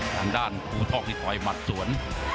ทางด้านอูท่อที่ถอยมัดส่วน